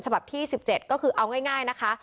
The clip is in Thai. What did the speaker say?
ฉบับที่๑๗ก็คือเอาง่ายนะคะ